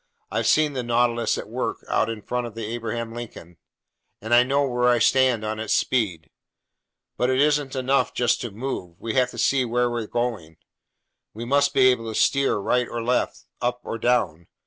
I've seen the Nautilus at work out in front of the Abraham Lincoln, and I know where I stand on its speed. But it isn't enough just to move, we have to see where we're going! We must be able to steer right or left, up or down!